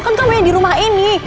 kan kamu yang dirumah ini